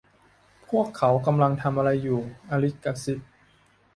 'พวกเขากำลังทำอะไรอยู่' อลิซกระซิบ